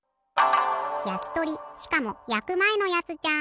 やきとりしかもやくまえのやつじゃん。